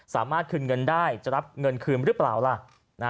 สามารถคืนเงินได้จะรับเงินคืนหรือเปล่าล่ะ